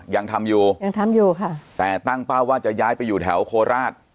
ยังทำอยู่ยังทำอยู่ค่ะแต่ตั้งเป้าว่าจะย้ายไปอยู่แถวโคราช